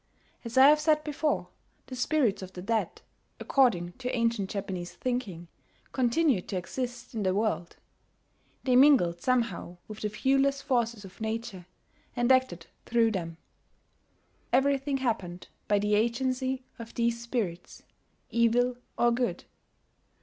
As I have said before, the spirits of the dead, according to ancient Japanese thinking, continued to exist in the world: they mingled somehow with the viewless forces of nature, and acted through them. Everything happened by the agency of these spirits evil or good.